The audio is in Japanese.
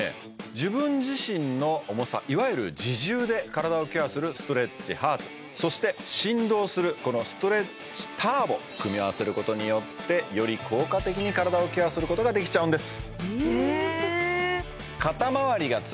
自分自身の重さいわゆる自重で体をケアするストレッチハーツそして振動するこのストレッチターボ組み合わせることによってより効果的に体をケアすることができちゃうんです